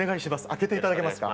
開けていただけますか。